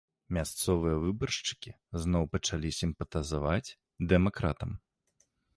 Мясцовыя выбаршчыкі зноў пачалі сімпатызаваць дэмакратам.